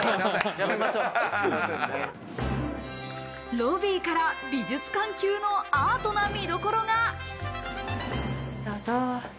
ロビーから美術館級のアートな見どころが。